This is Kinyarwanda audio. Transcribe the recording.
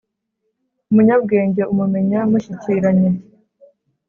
umunyabwenge umumenya mushyikiranye;